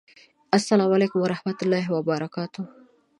السلام علیکم ورحمة الله وبرکاته